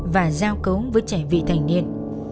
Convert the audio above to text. và giao cấu với trẻ vị thành niên